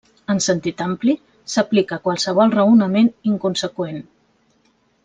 En sentit ampli, s'aplica a qualsevol raonament inconseqüent.